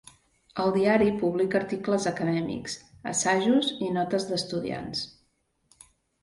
El diari publica articles acadèmics, assajos i notes d"estudiants.